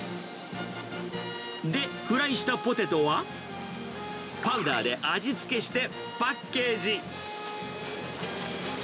で、フライしたポテトは、パウダーで味付けしてパッケージ。